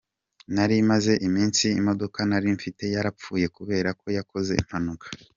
Nari maze iminsi imodoka nari mfite yarapfuye kubera ko yakoze impanuka.